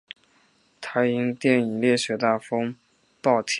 他因电影烈血大风暴提名奥斯卡最佳音响效果奖。